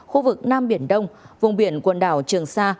khu vực nam biển đông vùng biển quần đảo trường sa